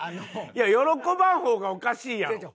いや喜ばん方がおかしいやろ。